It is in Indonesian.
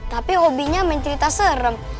tapi hobinya main cerita serem